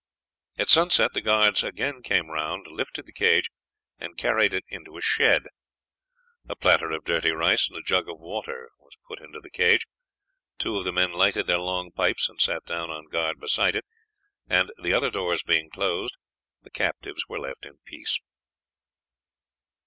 At sunset the guards again came round, lifted the cage and carried it into a shed. A platter of dirty rice and a jug of water were put into the cage; two of the men lighted their long pipes and sat down on guard beside it, and, the doors being closed, the captives were left in peace.